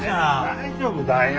大丈夫だよ。